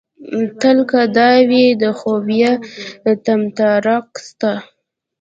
تل که دا وي د خوبيه طمطراق ستا